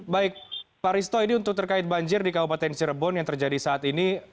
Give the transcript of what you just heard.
baik pak risto ini untuk terkait banjir di kabupaten cirebon yang terjadi saat ini